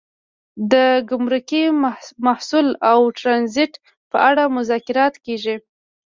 د ګمرکي محصول او ټرانزیټ په اړه مذاکرات کیږي